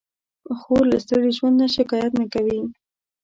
خور له ستړي ژوند نه شکایت نه کوي.